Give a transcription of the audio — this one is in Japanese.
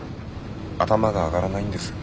頭が上がらないんです。